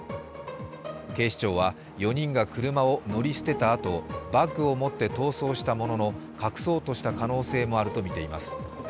警視庁は、４人が車を乗り捨てたあと、バッグを持って逃走したものの隠そうとした可能性もあるとみています。